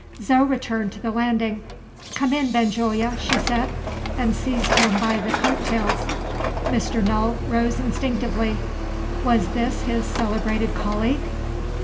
Zo returned to the landing. "Come in, Benjulia," she said and seized him by the coat tails. Mr. Null rose instinctively. Was this his celebrated colleague?